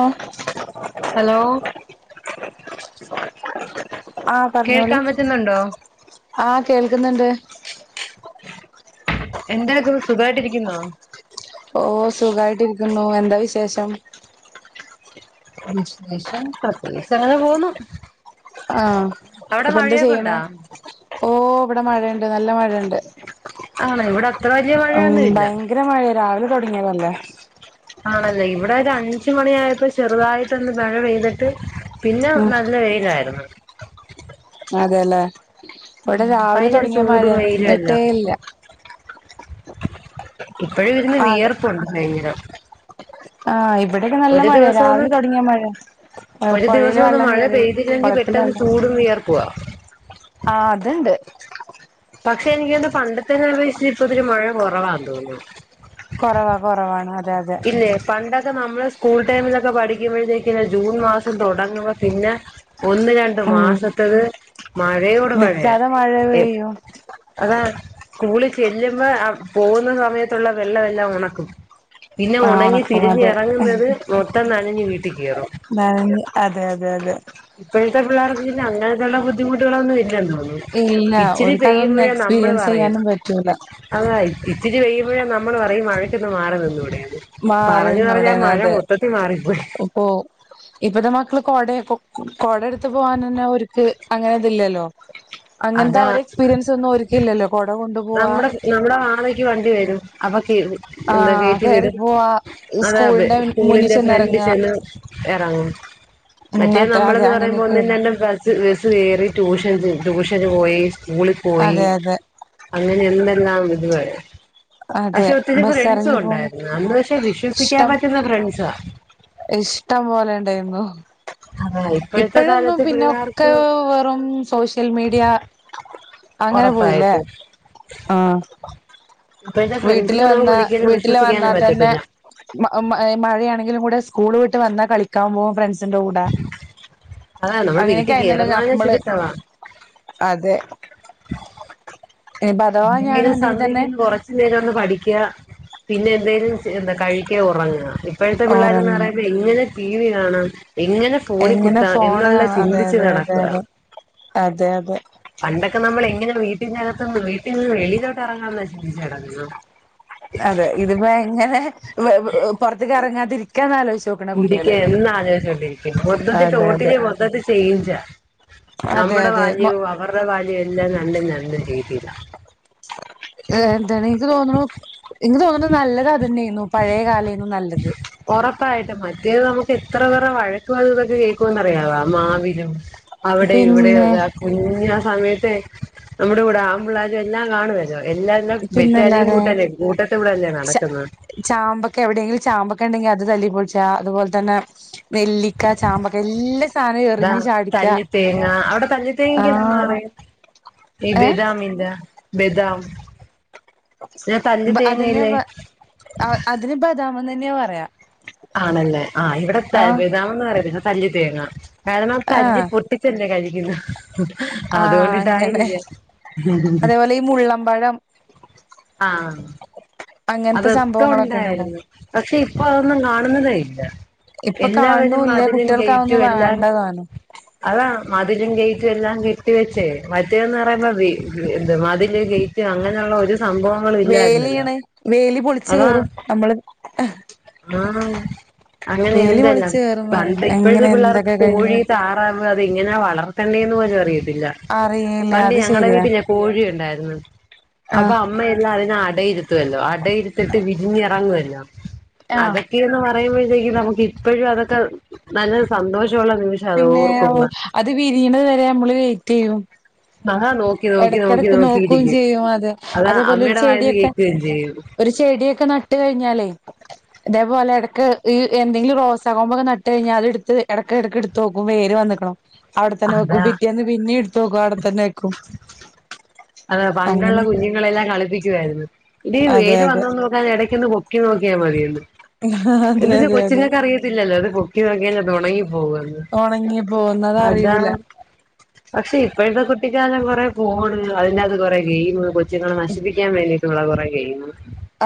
ആഹ് hello ആഹ് പറഞ്ഞോളി, കേൾക്കാൻ പറ്റുന്നുണ്ടോ ആഹ്, കേൾക്കുന്നുണ്ട്. എന്തെടുക്കുന്നു, സുഖയിട്ടിരിക്കുന്നോ.. ഓ സുഖായിട്ട് ഇരിക്കുന്നു എന്താ വിശേഷം വിശേഷം പ്രത്യേകിച്ച് അങ്ങനെ പോന്നു ആഹ് അവിടെ ഇപ്പ എന്താ മഴയൊക്കെ ചെയ്യണേ ഉണ്ടാ ഓ ഇവിടെ മഴേണ്ട് നല്ല മഴേണ്ട് ആണ ഇവിടെ അത്ര വലി- ഉം ഭയങ്കര മഴയ രാവിലെ തൊടങ്ങിയത് അല്ലേ ആണല്ലേ ഇവിടെ ഒരു അഞ്ച് മണി ആയപ്പ ചെറുതായിട്ടൊന്ന് മഴ പെയ്തിട്ട് പിന്നെ ഉം നല്ല വെയിലായിരുന്നു അതെല്ലേ ഇവിടെ രാവിലെ ഭയങ്കര തൊടങ്ങിയ ചൂടും മഴെന്ന് വെയിലും നിന്നിട്ടേ ഇല്ല ഇപ്പഴേ വെരുന്ന ആഹ് വിയർപ്പുണ്ട് ഭയങ്കര ആഹ് ഇവിടെയൊക്കെ നല്ല ഒരു മഴയ ദിവസം ഒന്ന് രാവിലെ തുടങ്ങിയ മഴയ ഏ ഒരു പൊഴയില് ദിവസം ഒന്ന് വെള്ളം മഴ കേറി പെയ്തില്ലെങ്കിൽ കൊളത്തില് പെട്ടെന്ന് വെള്ളം ചൂടും വിയർപ്പുവാ ആഹ് അത് ണ്ട് പക്ഷെ എനിക്ക് എന്തോ പണ്ടത്തെനെ അപേക്ഷി ഇപ്പ ഇത്തിരി മഴ കൊറവാന്ത് തോന്നുന്നു കൊറവാ കൊറവാണ് അതെ അതെ ഇല്ലേ പണ്ടൊക്കെ നമ്മള് സ്കൂൾ ടൈമിലൊക്കെ പഠിക്കുമ്പോഴത്തേക്ക് ജൂൺ മാസം തുടങ്ങുമ്പോ പിന്നെ ഒന്ന് രണ്ട ഉം മാസത്തത് മഴയോട് മഴയാ നിക്കാതെ മഴ എ പെയ്യും അതാ കൂളി ചെല്ലുമ്പോ ആ പോകുന്ന സമയത്തുള്ള വെള്ളം എല്ലാം ഉണക്കും പിന്നെ ആഹ് ഉണങ്ങി ഒണക്കും തിരിഞ്ഞ് അതെ ഇറങ്ങുന്നത് മൊത്തം നനഞ്ഞ് വീട്ടി കേറും നനഞ്ഞ് അതെ അതെ അതെ ഇപ്പോഴത്തെ പിള്ളേർക്ക് പിന്നെ അങ്ങനെ തൊള്ള ബദ്ധിമുട്ടുകളൊന്നും ഇല്ലല്ലോ ഒന്നും ഇല്ല ഓലിക്ക് അത് ഒന്ന് എക്സ്പീരിയൻസ് പറയും ചെയ്യാനും പറ്റൂല അതാ ഇച്ചിരി പെയ്യുമ്പഴേ നമ്മള് പറയും ഈ മഴയ്ക്ക് ഒന്ന് മാറി നിന്നുടെ മാറി പറഞ്ഞ് പറഞ്ഞ് ആ മഴ മൊത്തത്തി മാറിപ്പോയി ഓ ഇപ്പത്തെ മക്കള് കോട കോടഎടുത്ത് പോകൻ തന്നെ ഒര്ക്ക് അങ്ങനെ ഇതില്ലല്ലോ അങ്ങനത്തെ അതാ ഒരു എക്സ്പീരിയൻസ് ഒന്നും ഓരിക്ക് ഇല്ലല്ലോ കൊട കൊണ്ടു പോവാ നമ്മുടെ നമ്മുടെ വാതക്കെ വണ്ടി വെരും അവക്കേ എന്താ ആഹ് കേറ്റി കേറി വിടും പോവാ അതെ അതെ സ്കൂളിന്റെ മുന്നിൽ സ്കൂളിന്റെ ഫ്രണ്ടിൽ ചെന്നെറങ്ങാ ചെന്ന് എറങ്ങ ഉം മറ്റേ അത്ര അതെ നമ്മളന്ന് പറയുമ്പോ ഒന്നും അങ്ങനെയൊക്കെയാണ് രണ്ടും ച്ച് ബസ്സ്‌ കെറി ട്യൂഷൻ ട്യൂഷന് പോയി സ്കൂളിൽ പോയി അതെ അതെ അങ്ങനെ എന്തെല്ലാം ഇതുവരെ അതെ പക്ഷെ ഒത്തിരി ബസ് എറങ്ങി ഫ്രണ്ട്സും പോവുമ്പോ ഉണ്ടായിരുന്നു അന്ന് പക്ഷെ വിശ്വസിക്കാൻ പറ്റുന്ന ഫ്രണ്ട്സാ ഇഷ്ട്ടം പോലെ ഉണ്ടായിരുന്നു അതാ ഇപ്പോഴത്തെ ഇപ്പഴ് എന്നും കാലത്ത് പിന്നൊക്കെ പിള്ളേർക്ക് വെറും സോഷ്യൽ മീഡിയ അങ്ങനെ പോയില്ലേ ഉറപ്പായിട്ട് ആഹ് ഇപ്പോഴത്തെ വീട്ടില് ഫ്രണ്ട്സിനെ വന്ന നമുക്ക് ഒരിക്കലും വീട്ടില് വിശ്വസിക്കാനും വന്നാൽ തന്നെ പറ്റത്തില്ല മ മഴ മഴയാണെങ്കിലും കൂടെ സ്കൂള് വിട്ട് വന്നാൽ കളിക്കാൻ പോകും ഫ്രണ്ട്സിന്റെ കൂടെ അതാ നമ്മൾ അങ്ങനെക്കെ വീട്ടിൽ ആയിന്നല്ലോ കേറുന്നതിനെ ഞമ്മള് അതെ ഇനിപ്പ അഥവാ എങ്ങനേലും ഞാണെന്നുണ്ടെങ്കിൽ തന്നെ സന്ധ്യക്ക്ന്ന് കുറച്ച് ച്ച് നേരം ഒന്ന് പഠിക്ക പിന്നെ എന്തെലും ചെ എന്താ കഴിക്ക ഒറങ്ങ ഇപ്പഴത്തെ പിള്ളേര് എന്ന് ഉറങ്ങും പറമ്പായ്യ് എങ്ങനെ ടി. വി. കാണാം എങ്ങനെ ഫോണി എങ്ങനെ കുത്താം ഫോണ് എന്നുള്ള അതെ ചിന്തിച്ച് അതെ അതെ നടക്കുവാ അതെ അതെ അതെ പണ്ട് ഒക്കെ നമ്മള് എങ്ങനെ വീട്ടിന്റെ അകത്ത് നിന്ന് വീട്ടിൽ നിന്ന് വെളിയിലോട്ട് എറങ്ങാം എന്ന് ചിന്തിച്ച് നടക്കുന്നെ അതെ ഇതിപ്പോ എങ്ങനെ വെ വ് പുറത്തേക്ക് ഇറങ്ങാതെ ഇരിക്കാന്ന് അലോച്ച് ഇരിക്ക് എന്ന ആലോച്ച്ണ്ട് ഇരിക്കുന്നു മൊത്തത്തി അതെ അതെ ടോട്ടില് മൊത്തത്തി ചെയ്ഞ്ച അതെ നമ്മുടെ അതെ ബാല്യവും അവരുടെ ബാല്യം എല്ലാം രണ്ടും രണ്ട് രീതിലാ ഏ എന്താണ് എനിക്ക് തോന്നണു എനിക്ക് തോന്നണു നല്ലത് അത് തന്നെ ആയിന്നു പഴേ കാലയിരുന്നു നല്ലത് ഒറപ്പായിട്ടും മറ്റേത് നമുക്ക് എത്ര പേരുടെ വഴക്കും അതും ഇതൊക്കെ കേൾക്കും മെന്ന് അറിയാവോ മാവിലും അവിടെ ഇവിടെ പിന്നെ ഒരാ കുഞ് ആ സമയത്തെ നമ്മുടെ കൂടെ ആമ്പിള്ളേരും എല്ലാം കാണുവാല്ലോ എല്ലാര് ബെറ്റാലിയം പിന്നല്ലാതെ കൂട്ടല്ലേ കൂട്ടത്ത് കൂടെല്ലേ നടക്കന്ന ചാമ്പൊക്കെ എവിടെങ്കിലും ചാമ്പൊക്കെ ഉണ്ടെങ്കി അത് തല്ലിപൊളിച്ച അതുപോലെ തന്നെ നെല്ലിക്ക ചാമ്പക്ക എല്ലാ സാന ഇതാ എറിഞ്ഞ് ചാടിക്ക തല്ലിത്തേങ്ങ അവിടെ തല്ലിത്തേങ്ങക്ക് എന്തെന്നാ ആഹ് പറയാ ഈ ഏ ബെദാമിന്താ ബെദാം പിന്നെ തല്ലിത്ത്ങ്ങ ഇല്ലേ ആ അതിന് ബദമെന്ന് തന്നെയാ പറയാ ആണല്ലേ ആ ഇവിടെ ത ആഹ് ബദാമന്ന് പറയത്തില്ല തല്ലി തേങ്ങ അതമ്മ തല്ലി ആഹ് പൊട്ടിച്ചല്ലേ കഴിക്കുന്നെ ആഹ് അങ്ങനെ അതുകൊണ്ടിട്ടായിരിക്ക ഉം ഉം അതേപോലെ ഈ മുള്ളമ്പഴം ആഹ് അങ്ങനത്തെ അതൊക്കെ സംഭവങ്ങളൊക്കെ ഉണ്ടല്ലോ ഉണ്ടായിരുന്നു പക്ഷെ ഇപ്പൊ അതൊന്നും കാണുന്നതേ ഇല്ല ഇപ്പൊ എല്ലാവരും കാണുന്നുല്ല മതിലും കുട്ടികൾക്ക് ഗയിറ്റും അതൊന്നും എല്ലാം വേണ്ട താനും അതാണ് മതിലും ഗെയ്റ്റും എല്ലാം കെട്ടി വെച്ചേ മറ്റേത് നറയുമ്പോ വെ എന്ത് മതില് ഗെ റ്റ് അങ്ങനെഉള്ള ഒരു സംഭവം വേലിയണ് വേലി പൊളിച്ചു അതാ കേറും നമ്മള് ആഹ് അങ്ങനെ വേലി എന്തെല്ലാം പൊളിച്ചു കേറുംന്ന് പറയും പണ്ട് ഇപ്പോഴത്തെ എങ്ങനെ പിള്ളേർക്ക് എന്തൊക്കെ കോഴി കഴിഞ്ഞ് താ റാവ് അത് എങ്ങന വളർത്തേണ്ടേന്ന് പോലും അറിയത്തില്ല അറിയില്ല പണ്ടി അത് ഞങ്ങടെ ശരിയാ വീട്ടില് കോഴി ഉണ്ടായിരുന്നു അപ്പ ആഹ് അ അമ്മയെല്ലാ അതിനെ അടയിരുത്തുവല്ലോ അടയിരിത്തിട്ട് വിരിഞ്ഞിറങ്ങുവല്ലോ അതൊ ആഹ് ക്കെന്ന് പറയുമ്പോഴത്തേക്കും നമുക്ക് ഇപ്പോഴും അതൊക്കെ നല്ല സന്തോഷഉള്ള നിമിഷ പിന്നെ ഓ അത് വിരിയണത് വരെ നമ്മള് വെയിറ്റിയ്യും അഹാ നോക്കി നോക്കി നോക്കി നോക്കി നോക്കുകയും ഇരിക്കും ചെയ്യും അത് അതാ അതേപോലെ ഒരു അമ്മയുടെ വായന്ന് ചെടിയൊക്കെ കേക്കേം ചെയ്യും ഒരു ചെടിയൊക്കെ നട്ട് കഴിഞ്ഞാലെ തേപോലെ എടക്ക് ഈ എന്തെങ്കിലും റോസാ കൊമ്പൊക്കെ നട്ട് കഴിഞ്ഞാ അത് ഇട്ത്ത് എടക്ക് എടക്ക് ഇട് തോക്കും വേര് വന്ന്ക്ക്ണോ അവടത്തന്നെ വെക്കും അതാ പിറ്റേന്ന് പിന്നി ഇട്ത്തോക്കും അവടത്തന്നെ വെക്കും അതെ പണ്ടുള്ള അങ്ങനെയൊക്കെ കുഞ്ഞുങ്ങളെല്ലാം കളിപ്പിക്കുവായിരുന്നു ഇത് അതെ വേര് അതെ വന്നോന്നോ എടക്കൊന്ന് പൊക്കി നോക്കിയാ മതീന്ന് അതെ എന്തച്ചാ അതെ അതെ കൊച്ചുങ്ങൾക്ക് അറിയത്തില്ലല്ലോ ത്പോ ക്കി നോക്കികഴിഞ്ഞ ത് ഒണങ്ങി പോവൊന്ന് ഒണങ്ങി പോവുന്നത് അറിയൂല പക്ഷെ ഇപ്പഴത്തെ കുട്ടിക്കാലം കൊറെ ഫോണ് അഴിന്റകത്ത് കുറെ ഗെയിമ് കൊച്ചുങ്ങളെ നശിപ്പിക്കാൻ വേണ്ടീ ള്ള കൊറേ ഗെയിമ്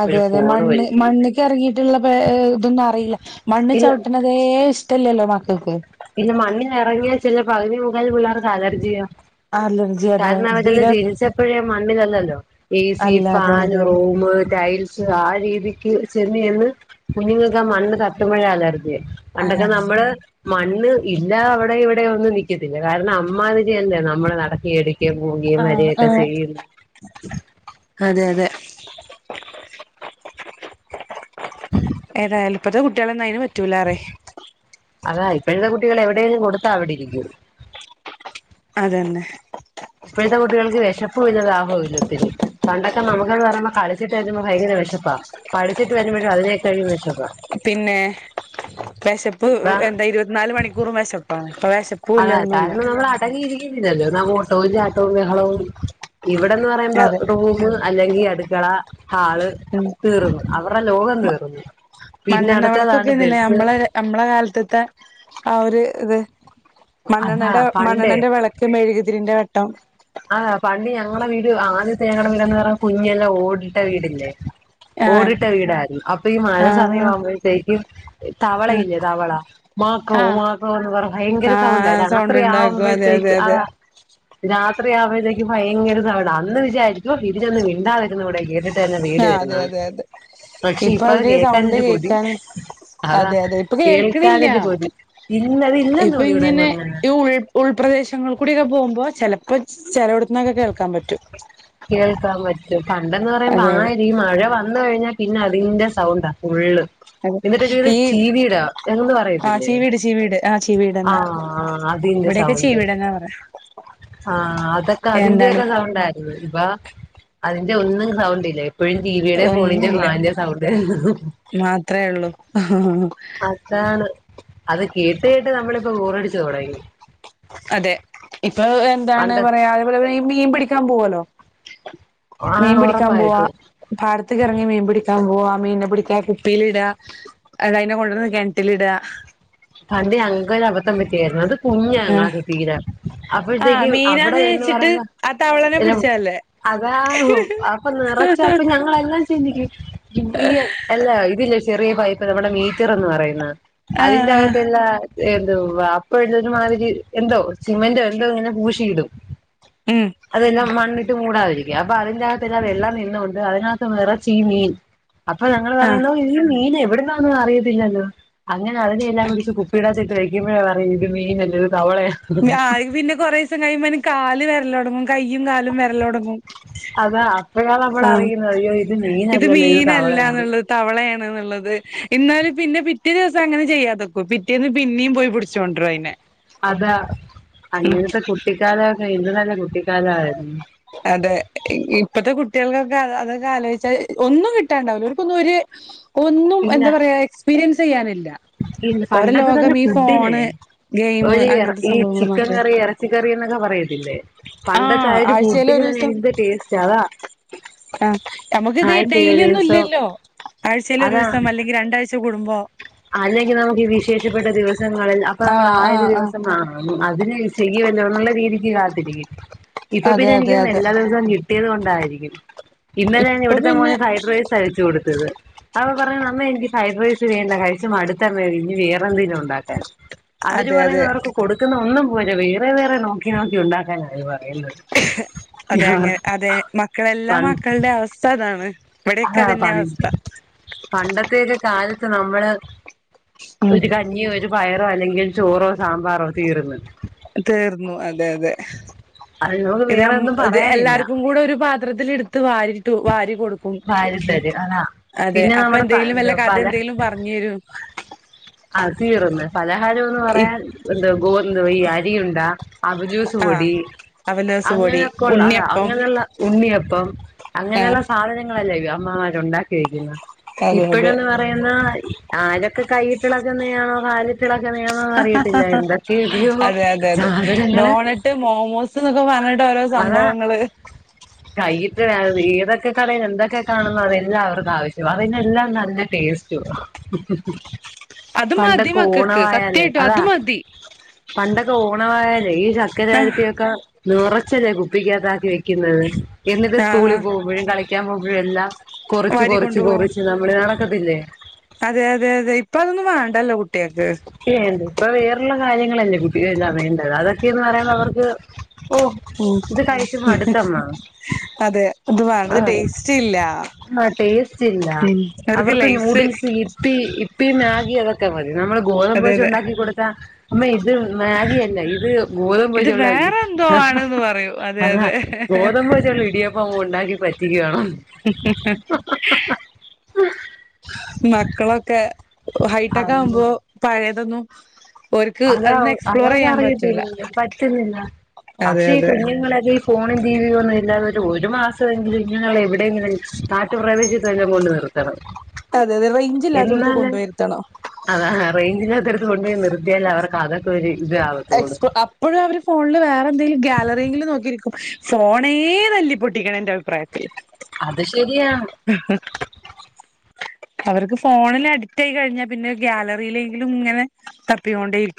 അതെ അതെ മണ്ണ് മണ്ണ് ക്കെർങ്ങിട്ട്ള്ള തൊന്നും അറിയില്ല മണ്ണ് ഇല്ല ചവ്ട്ട്ണതേ ഇഷ്ടല്ല്യല്ലോ മക്കക്ക് പിന്നെ മണ്ണില് എറങ്ങിയാ ചില പകുതി മുക്കാൽ പിള്ളേർക്ക് അലർജിയാ അലർജിയാ കാരണം അവരല്ലാം ജനിച്ചപ്പഴേ മണ്ണിലല്ലല്ലോ എസി അല്ല അതെ ഫാന് അതെ റൂമ് ടൈൽ ച്ച് ആ രീതിക്ക് ചെന്ന് എന്ന് കുഞ്ഞുങ്ങൾക്ക്‌ ആ മണ്ണ് തട്ടുമ്മഴേ അലർജിയ പണ്ടക്കെ അലർജി നമ്മള് മണ്ണ് ഇല്ല അവടെ ഇവടെ ഒന്നും നിക്കത്തില്ല കാരണം അമ്മാതിരിയല്ലേ നമ്മളെ നടക്കി എടു [unintelligible] ആഹ് ആഹ് ചെയ്യും അതെ അതെ ഏതായാലും ഇപ്പത്ത കുട്ടിയളന്നും അയ്ന് പറ്റൂലാ റെ അതാ ഇപ്പഴത്തെ കുട്ടികളെ എവിടെലും കൊടുത്താ അവിടെ ഇരിക്കും അതന്നെ ഇപ്പഴത്തെ കുട്ടികൾക്ക് വെശപ്പുല്ല ദാഹുല്ല ത്തിരി പണ്ടൊക്കെ നമ്മക്ക്ന്നറയുമ്പോ കളിച്ചിട്ട് വരുമ്പോ ഭയങ്കര വെഷപ്പാ പഠിച്ചിട്ട് വരുമ്പഴും അതിനേക്കാഴി വെഷപ്പാ പിന്നെ വെശപ്പ് ഇപ്പ എന്താ ഇരുവത്നാല് മണിക്കൂറും വെശപ്പാ ഇപ്പ വെശ അതെ കാരണം നമ്മള് അടങ്ങിയിരിക്കുന്നില്ലല്ലോ ന ഓട്ടോവും ചാട്ടവും ബഹളവും ഇവടന്ന് പറയുമ്പോ അതെ റൂമ് അല്ലെങ്കി അടുക്കള ഹാള് ഉം തീർന്ന് അവർട ലോകം തീർന്ന് മണ്ണണ്ണ വെളക്കൊക്കെന്നില്ലേ നമ്മള നമ്മള കാൽത്ത്ത്തെ ആ ഒരു ഇത് അതാ മണ്ണണ്ണന്റെ പണ്ടേ മണ്ണണ്ണന്റെ വെളക്ക് മെഴുകുതിരിന്റെ വെട്ടം ആ പണ്ട് ഞങ്ങള വീട് ആദ്യത്തെ ഞങ്ങള വീടന്ന് പറഞ്ഞ കുഞ്ഞെല്ലാം ഓടിട്ട വീടല്ലേ ആഹ് ഓടിട്ട വീടായിരുന്നു അപ്പൊ ഈ മഴ ആഹ് സമയമാവുമ്പോഴത്തേക്കും ആഹ് തവളയില്ലേ തവള മാക്രോ ആഹ് മാക്രോ എന്ന് പറ ഭയങ്കര ആഹ് സൗണ്ട സൗണ്ട് രാത്രി ഉണ്ടാക്കും അതെ അതെ ആവുമ്പോഴത്തേക്ക് ആ അതെ രാത്രിയാവുമ്പോഴത്തേക്ക് ഭയങ്കര സൗണ്ട അന്ന് വിചാരിക്കും ഇതിനൊന്ന് മിണ്ടാതിരുന്നൂടെ എര ല്ല നേടി ആഹ് വരുന്ന അതെ അതെ അതെ പക്ഷെ ഇപ്പൊ ഇപ്പ അത് അതിന് സൗണ്ട് കേൾക്കാനന്നെ കൊതി കേൾക്കാൻ അതാ അതെ അതെ ഇപ്പൊ കേൾക്കണില്ല കേൾക്കാനന്നെ കൊതി ഇല്ല അത് ഇല്ലന്ന് ഇപ്പൊ തോന്നി ഇവിടെങ്ങും ഇങ്ങനെ അങ്ങനെ ഈ ഉൾ ഉൾപ്രദേശങ്ങൾ കൂടി ഒക്കെ പോവുമ്പോ ചെലപ്പ ചെലവ്ട്ത്തുന്നൊക്കെ കേൾക്കാൻ പറ്റും കേൾക്കാം പറ്റും പണ്ടന്ന് പറയുമ്പോ അതെ ആ അതെ ഈ മഴ വന്ന് കഴിഞ്ഞാ പിന്നെ അതിന്റെ സൗണ്ടാ ഫുള്ള് അതെ [unintelligible] ഈ ചീവീട എന്ന് ആഹ് പറയത്തില്ലേ ചീവീട് ചീവീട് ആഹ് ചീവീടന്നെ ആഹ് അതിന്റെ ഇവിടെയൊക്കെ സൗണ്ട് ചീവീടന്നാ പറയാ ആ അതൊക്ക എന്താണ് അതിന്റെയൊക്കെ സൗണ്ടായിരുന്നു ഇപ്പ അതിന്റെ ഒന്നും സൗണ്ട് ല്ലേ ഇപ്പഴും ടീവിടെ ഫോണിന്റെ ഫാൻന്റെ സൗണ്ട് മാത്രെ ഒള്ളൂ അതാണ് അത് കേട്ട് കേട്ട് നമ്മളിപ്പോ ബോറടിച്ചു തൊടങ്ങി അതെ ഇപ്പൊ എന്താണ് പണ്ട് പറയാ അതേപോലെ ഈ മീൻ പിടിക്കാൻ പോവല്ലോ മീൻ ആഹ് പിടിക്കാൻ പോവാ ഉറപ്പായിട്ട് പാടത്ത്ക്ക്‌ എ റങ്ങി മീൻ പിടിക്കാൻ പോവാ മീൻനെ പിടിക്കാ കുപ്പിയിലിട അയിനെ കൊണ്ടന്ന് കെൻറ്റിലിട പണ്ട് ഞങ്ങക്കൊരു അബദ്ധം പറ്റിയായിരുന്നു അത് കുഞ്ഞ ഞങ്ങളക്കെ തീരെ ആ അപ്പോഴത്തേക്കും അവിടെ മീനാന്ന് എന്ന് വെച്ചിട്ട് പറയുന്ന ആ തവളനെ ഇ പിടിച്ചതല്ലേ അതാഹ അപ്പൊ നിറച്ച അപ്പ ഞങ്ങളെല്ലാം ഈ അല്ല ഇതില്ല ചെറിയ പൈപ്പ് നമ്മുടെ മീറ്റർന്ന് പറയുന്ന ആ അതിന്റെ ആ ആഗത്ത് എല്ലാ എന്ത അപ്പഴ എത്തന് മാതിരി എന്തോ സിമെന്റോ എന്തോ ഇങ്ങനെ പൂഷിയിടും ഉം അതെല്ലാം മണ്ണിട്ട് മൂടാതിരിക്കുക അപ്പൊ അതിന്റെകത്ത്ല്ല വെള്ളം നിന്നുകൊണ്ട് അതിനകത്ത് നിറച്ചീ മീൻ അപ്പൊ ഞങ്ങൾ ആ പറയുന്ന മീൻ എവിടുന്നന്നും അറിയത്തില്ലല്ലോ അങ്ങനെ അതിനെ എല്ലാം കൂടി ഇത്തിട്ട് വെക്കുമ്പഴേ പറയും ഇത് മീൻല്ലത് തവളയാണ് പിന്നെ കുറ ദിവസം കഴിയുമ്പോന് കാല് വിരല തുടങ്ങും കയ്യും കാലും വിരലടങ്ങും അതാ അപ്പള അമ്മൾ അറയിക്കുന്നത് അറിയ്യോ ഇത് മീനല്ലല്ലോ ഇത് മീനല്ല തവളയാണ് എന്നുള്ളത് തവളയാണ് എന്നുള്ളത് എന്നാലും പിന്നെ പിറ്റേ ദിവസം അങ്ങനെ ചെയ്യാതക്കോ പിറ്റേന്ന് പിന്നെയും പോയി ഒണ്ടര അതിനെ അതാ അങ്ങനത്തെ കുട്ടിക്കാലൊക്കെ ഇന്ത് നല്ല കുട്ടിക്കാലയിരുന്നു അതെ ഇപ്പഴത്തെ കുട്ടികൾക്കൊക്കെ അതൊക്കെ ആലോചിച്ചാൽ ഒന്നും കിട്ടാണ്ടാവില്ല അവർക്കൊന്നും ഒരു ഒന്നും എന്താ പറയാ എക്സ്പീരിയൻസ് ചെയ്യാനില്ല പിന്ന ഓരെ പണ്ടത്തെ തന്നെ ലോകം ഈ ഫുഡിനെ ഫോണ് ഗെയിം ഒഴിറ അങ്ങനത്തെ ഈ സംഭവങ്ങൾ ചിക്കൻ മാത്രേ കറി ഇറ പച്ച കറി എന്നൊക്കെ പറയത്തില്ലേ ആഹ് പണ്ടത്തൊയരു ഫുഡ ആഴ്ചയിൽ ഒരു ദിവസം ടേസ്റ്റാതാ ആഹ് നമുക്കിത് ഡെയിലി ഒന്നും ദിവസം ഇല്ലല്ലോ ആഴ്ചൽ ഒരു അതാ ദിവസം അല്ലെങ്കിൽ രണ്ടാഴ്ച കുടുംബോ അല്ലെങ്കിൽ നമുക്ക് വിശേഷപ്പെട്ട ദിവസങ്ങളിൽ അപ്പൊ നമ്മൾ ആഹ് ആയുരു ആഹ് ആഹ് ദിവസം വാങ്ങും അതിന് ചെയ്യ വല്ല എന്നുള്ള രീതിക്ക് കാത്തിരിക്കും ഇപ്പൊ അതെ പിന്നെ അതെ എനിക്ക് അതെ എല്ലാ ദിവസവും കി കിട്ടിയത് കൊണ്ടായിരിക്കും ഇന്നല ഞാൻ ഇപ്പൊ ഇവിടുത്തെ പിന്നെ മോനെ ഫ്രൈഡ് റൈസ് അഴിച്ചു കൊടുത്തത് അവ പറഞ്ഞു അമ്മ എനിക്ക് ഫ്രൈഡ് റൈസ് വേണ്ട കഴിച്ച മടുത്തമ്മ ഇനി വേറെ എന്തേലും ഉണ്ടാക്കാൻ അവര് അതെ അതെ പറയുന്ന അവർക്ക് കൊടുക്കുന്ന ഒന്നും പോര വേറെ വേറെ നോക്കി നോക്കി ഉണ്ടാക്കാനാണ് പറയുന്നത് അതെ അങ്ങനെ അതെ മക്കളെല്ലാം മക്കളുടെ അവസ്ഥ അതാണ് ഇവിടെയൊക്കെ അതാ പ അതന്നെ അവസ്ഥ പണ്ടത്തൊക്കെ കാലത്ത് നമ്മള് ഉം ഒരു കഞ്ഞിയോ ഒരു പയറോ അല്ലെങ്കിൽ ചോറോ സാമ്പാറോ തീർന്ന്. തീർന്നു അതെ അതെ. അത് നമുക്ക് ഇത് വേറെ മ്മ ഒന്നും ഇത് പറയാനില്ല എല്ലാവർക്കും കൂടെ ഒരു പാത്രത്തിൽ എടുത്ത് വാരിട്ടു വാരി കൊടു ക്കും ദാരിദ്ര്യര് അതാ അതെ പിന്നെ അപ്പൊ നമ്മുടെ പ എന്തെങ്കിലും വല്ല എന്ത കഥ പല എന്തെങ്കിലും പറഞ്ഞരും. ആഹ് തീറന്ന് പലഹാരം എന്ന് ഇ പറയാൻ ന്താ ഗോ എന്തോ ഈ അരിണ്ടാ അവ്ലോസ് ആഹ് പൊടി അവലോസ് പൊടി അങ്ങനെയൊക്കെള്ള അല്ലാ ഉണ്ണിയപ്പം അങ്ങനെള്ള ഉണ്ണിയപ്പം അങ്ങനെയുള്ള സാധനങ്ങളല്ലേ ഇ അമ്മമാരുണ്ടാക്കിയിരിക്കുന്നേ. അതെ അതെ ഇപ്പഴന്ന് പറയുന്ന ആരൊക്കെ കൈയിട്ടിളകുന്ന ആണോ കാൽ ളക്കെയന്നൊന്നും അറിയത്തില്ല എന്തൊക്കെയക്കയോ അതെ അതെ അതെ സാധനങ്ങള് ഡോണറ്റ് മോമോസ് എന്നൊക്കെ പറഞ്ഞിട്ട് ഓരോ അതാ സംഭവങ്ങള്. കൈയിട്ട് ഏതൊക്കെ കടയിൽ എന്തൊക്കെ കാണുന്ന അതെല്ലാം അവർക്കും ആവശ്യം അറിവുല്ലാം നല്ല ടേസ്റ്റ്. അത് മതി പണ്ടൊക്കെ മക്കൾക്ക് ഓണവായാലേ സത്യായിട്ടും അതാ അത് മതി പണ്ടൊക്കെ ഓണമായായാല ഈ ചക്കര ആഹ് വരട്ടിയൊക്കെ നീറ ച്ചല്ലേ കുപ്പിക്കകത്താക്കി വെക്കുന്നത് എന്നിട്ട് ആഹ് സ്കൂളിൽ ആഹ് പോകുമ്പോഴും കളിക്കാൻ പോകുമ്പോഴും എല്ലാം കൊറച്ച് കൊറച്ച് വാരിക്കൊണ്ടു പോവും കൊറച്ച് നമ്മള് നടക്കത്തില്ലേ. അതെ അതെ അതെ ഇപ്പ അതൊന്നും വേണ്ടല്ലോ കുട്ടികൾക്ക്. വേണ്ട ഇപ്പൊ വേറള്ള കാര്യങ്ങളല്ലേ കുട്ടികളെല്ലാം വേണ്ടത് അതൊക്കെയന്ന് പറയുമ്പോ അവർക്ക് ഓ ഉം ഇത് കഴിച്ച് മടുത്തമ്മ അതെ ഇത് പണ്ടത് ആഹ് ടേസ്റ്റ് ഇല്ല. ആഹ് ടേസ്റ്റ് ഇല്ല അവർക്ക് നൂഡിൽസ് ഈ പ്പീ ഇപ്പീ മാഗി അതൊക്കെ മതി നമ്മ ഗോതമ്പ് അതെ ദോശ അതെ ഉണ്ടാക്കി കൊടുത്താ അമ്മ ഇത് മാഗി അല്ല ഇത് ഗോതമ്പ് ഇത് വെച്ചുള്ള ഇ വേറെ എന്തോ ആണെന്ന് പറയും അതെ അതാ അതെ ഗോതമ്പ് വെച്ചുള്ള ഇടിയപ്പ ഉണ്ടാക്കി പറ്റിക്കവ്വാണോ മക്കളൊക്കെ ഹൈടെക്ക് ആവുമ്പോ പഴയതൊന്നു അത പറ്റൂല അവതർക്കറിയത്തില്ല പറ്റുന്നില്ല. അതെ പക്ഷേ ഈ അതെ കുഞ്ഞുങ്ങള ഫോണും ടിവിയും ഒന്നും ഇല്ലാതെ ഒരു മാസമെങ്കിലും ഇങ്ങളെ എവിടെങ്കിലും നാട്ടുപ്രദേശത്ത് പോണ്ടി വരും. [unintelligible] അതെ അതെ റേഞ്ച് ഇല്ലത്തടുത്ത് കൊണ്ടയിരുത്തണം. അതാ റേഞ്ചില്ലതവിടത്ത കൊണ്ടുപോയി നിർത്തിയാല അവർക്ക് അതൊക്കെ ഒരു ഇത ആവത്തൂണ്. ഇപ്പോഴും അവര് ഫോണില് വേറെ എന്തെങ്കിലും ഗാലറിൽ നോക്കിയിരിക്കും ഫോണേ തല്ലി പൊട്ടിക്കണം എന്റെ അഭിപ്രായ അത് ശരിയാണ്. ഹാ അവർക്ക് ഫോണിൽ അഡിക്റ്റ് ആയി കഴിഞ്ഞാ പിന്നെ ഗ്യാലറിയിലെങ്കിലും ഇങ്ങനെ തപ്പികൊണ്ടേരിക്കും